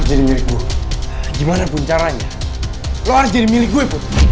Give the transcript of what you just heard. lu jadi milik gue gimana pun caranya lu harus jadi milik gue